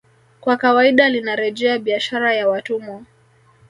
Kwa kawaida linarejea biashara ya watumwa